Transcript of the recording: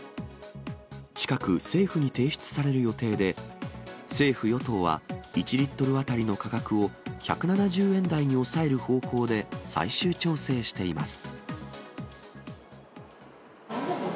近く政府に提出される予定で、政府・与党は、１リットル当たりの価格を１７０円台に抑える方向で最終調整しています。